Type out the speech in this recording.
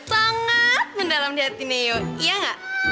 sangat mendalam di hati neo iya enggak